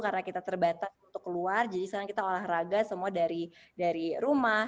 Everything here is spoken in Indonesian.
karena kita terbatas untuk keluar jadi sekarang kita olahraga semua dari rumah